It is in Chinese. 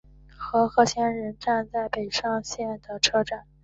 和贺仙人站北上线的车站。